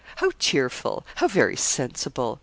How cheerful; how very sensible.